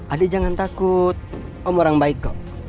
adik jangan takut om orang baik kok